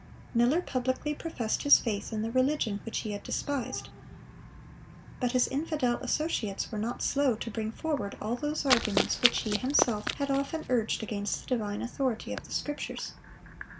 (517) Miller publicly professed his faith in the religion which he had despised. But his infidel associates were not slow to bring forward all those arguments which he himself had often urged against the divine authority of the Scriptures.